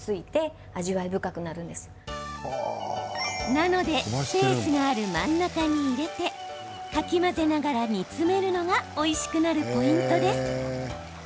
なので、スペースがある真ん中に入れてかき混ぜながら煮詰めるのがおいしくなるポイントです。